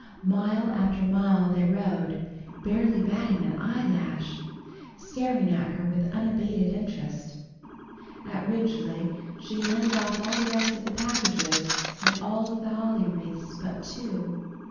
Mile after mile they rode, barely batting an eyelash, staring at her with unabated interest. At Ridgely she handed off all the rest of the packages and all of the holly wreaths but two.